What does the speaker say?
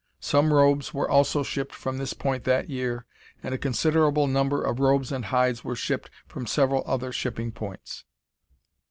Some robes were also shipped from this point that year, and a considerable number of robes and hides were shipped from several other shipping points.